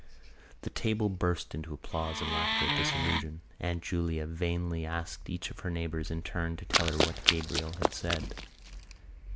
The table burst into applause and laughter at this allusion. Aunt Julia vainly asked each of her neighbours in turn to tell her what Gabriel had said.